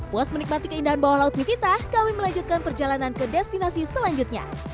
puas menikmati keindahan bawah laut nipita kami melanjutkan perjalanan ke destinasi selanjutnya